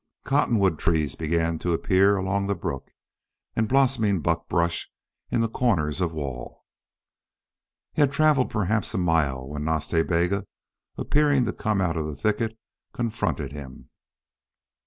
Cottonwood trees began to appear along the brook, and blossoming buck brush in the corners of wall. He had traveled perhaps a mile when Nas Ta Bega, appearing to come out of the thicket, confronted him.